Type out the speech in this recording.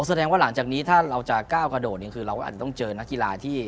แสดงว่าหลังจากนี้ถ้าเราจะก้าวกระโดดเนี่ยคือเราก็อาจจะต้องเจอนักกีฬาที่